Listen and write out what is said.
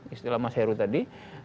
istilah mas heru tadi